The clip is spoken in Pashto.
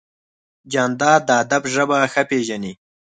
جانداد د ادب ژبه ښه پېژني.